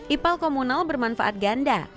ipal komunal bermanfaat ganda